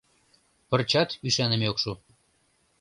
Пырчат ӱшаныме ок шу.